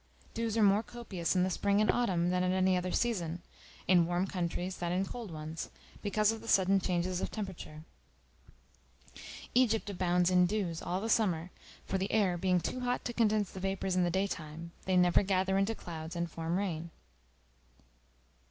Dews are more copious in the Spring and Autumn than at any other season; in warm countries than in cold ones: because of the sudden changes of temperature. Egypt abounds in dews all the summer; for the air being too hot to condense the vapors in the day time, they never gather into clouds and form rain.